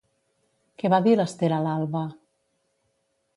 Què va dir l'Ester a l'Alba?